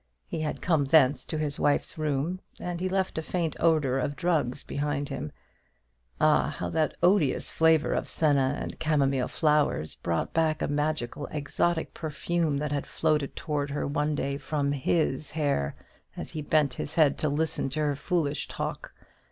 He had come thence to his wife's room, and he left a faint odour of drugs behind him. Ah, how that odious flavour of senna and camomile flowers brought back a magical exotic perfume that had floated towards her one day from his hair as he bent his head to listen to her foolish talk!